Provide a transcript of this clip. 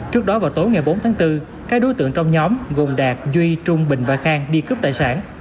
trước đó vào tối ngày bốn tháng bốn các đối tượng trong nhóm gồm đạt duy trung bình và khang đi cướp tài sản